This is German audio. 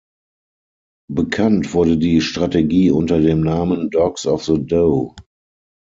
Bekannt wurde die Strategie unter dem Namen Dogs of the Dow.